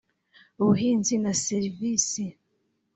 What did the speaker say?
ubuhinzi na serivisi